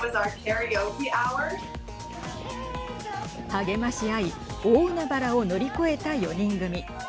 励まし合い大海原を乗り越えた４人組。